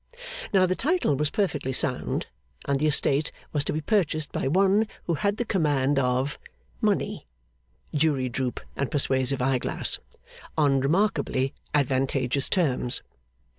Now, the title was perfectly sound, and the estate was to be purchased by one who had the command of Money (jury droop and persuasive eye glass), on remarkably advantageous terms.